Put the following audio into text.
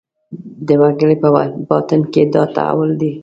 د وګړي په باطن کې دا تحول دی.